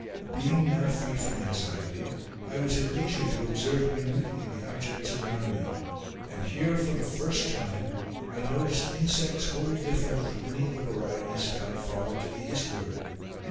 Being now free from anxiety, I was at leisure to observe minutely the objects around me; and here, for the first time, I noticed insects wholly different from any of the varieties found farther to the eastward.